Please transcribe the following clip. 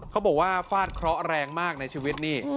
เขาบอกว่าฟาดเคราะห์แรงมากในชีวิตนี่